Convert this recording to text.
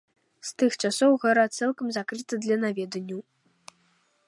З тых часоў гара цалкам закрыта для наведванняў.